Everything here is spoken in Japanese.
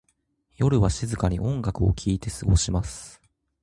夜は静かに音楽を聴いて過ごします。